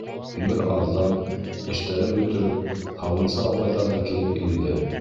Бер аҙҙан, эштәрен бөтөрөп, һауынсы апайҙар ҙа килеп инде.